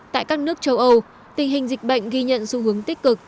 tại các nước châu âu tình hình dịch bệnh ghi nhận xu hướng tích cực